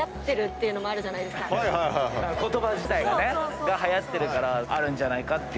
言葉自体がはやってるからあるんじゃないかっていう。